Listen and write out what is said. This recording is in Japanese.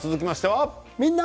「みんな！